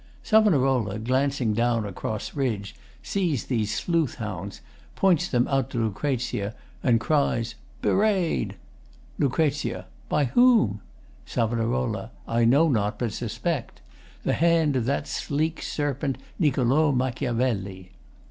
SAV., glancing down across ridge, sees these sleuth hounds, points them out to LUC. and cries Bewray'd! LUC. By whom? SAV. I know not, but suspect | The hand of that sleek serpent Niccolo | Machiavelli.